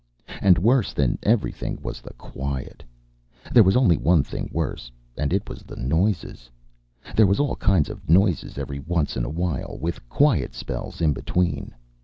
And worse than everything was the quiet. There was only one thing worse, and it was the noises. There was all kinds of noises every once in a while, with quiet spells in between.